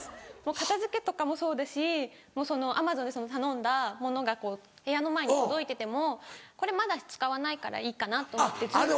片付けとかもそうだしＡｍａｚｏｎで頼んだものが部屋の前に届いててもこれまだ使わないからいいかなと思ってずっと。